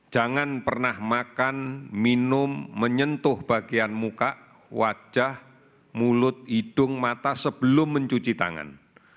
jangan pernah makan minum menyentuh bagian muka wajah mulut hidung mata sebelum mencuci tangan